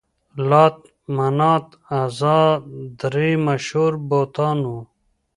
لات، منات، عزا درې مشهور بتان وو.